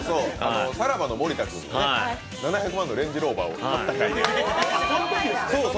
さらばの森田君が７００万のレンジローバーを買われたとき。